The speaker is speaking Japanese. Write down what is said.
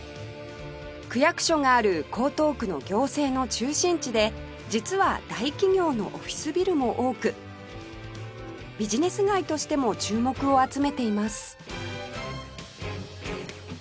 区役所がある江東区の行政の中心地で実は大企業のオフィスビルも多くビジネス街としても注目を集めています